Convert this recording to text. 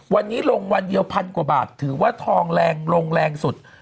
วันนี้ลงวันเดียวพันกว่าบาทถือว่าทองแรงลงแรงสุด